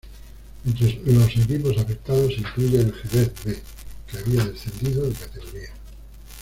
Entre los equipos afectados se incluye el Xerez B, que había descendido de categoría.